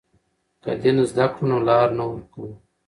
که دین زده کړو نو لار نه ورکوو.